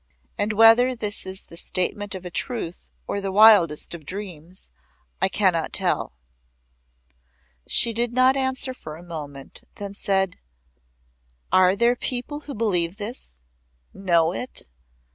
And whether this is the statement of a truth or the wildest of dreams, I cannot tell." She did not answer for a moment; then said; "Are there people who believe this know it?"